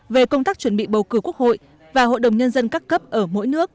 về công tác chuẩn bị bầu cử quốc hội và hội đồng nhân dân các cấp ở mỗi nước